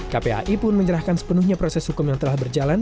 kpai pun menyerahkan sepenuhnya proses hukum yang telah berjalan